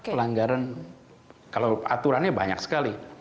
pelanggaran kalau aturannya banyak sekali